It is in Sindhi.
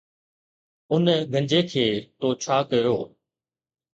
ان گنجي کي تو ڇا ڪيو؟